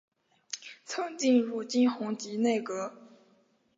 曾进入金弘集内阁。